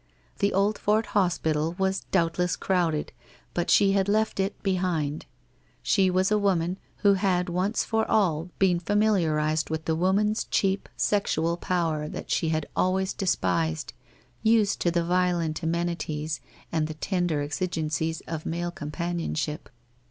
The Oldfort hospital was doubtless crowded, but she had left it behind. She was a woman, who had once for all been familiarized 278 WHITE ROSE OF WEARY LEAF with the woman's cheap, sexual power that she had always despised, used to the violent amenities and the tender exigencies of male companionship.